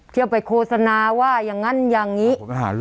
เที่ยวไปโฆษณาว่าอย่างนั้นอย่างนี้